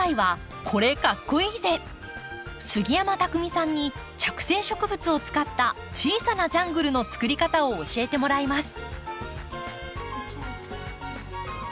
杉山拓巳さんに着生植物を使った小さなジャングルの作り方を教えてもらいます。